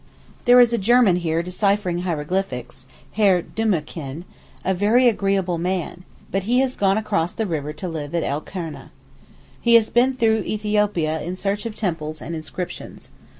There is a German here deciphering hieroglyphics, Herr Dümmichen, a very agreeable man, but he has gone across the river to live at el Kurneh. He has been through Ethiopia in search of temples and inscriptions.